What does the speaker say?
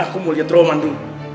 aku mau liat romandu